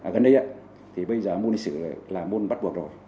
gần đây thì bây giờ môn lịch sử là môn bắt buộc rồi